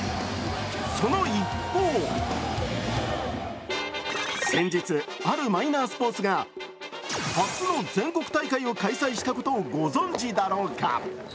その一方、先日あるマイナースポーツが初の全国大会を開催したことをご存じだろうか。